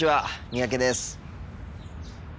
三宅です。